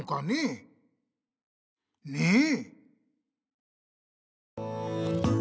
ねえ？